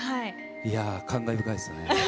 いやー、感慨深いですよね。